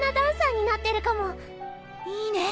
いいね！